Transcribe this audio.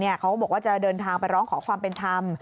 เขาก็บอกว่าจะเดินทางไปร้องขอความเป็นธรรม